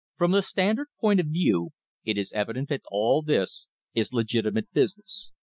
From the Standard point of view it is evident that all this is legitimate business.